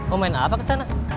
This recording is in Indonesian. mau main apa kesana